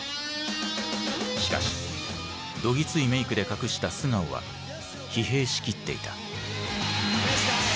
しかしどぎついメークで隠した素顔は疲弊しきっていた。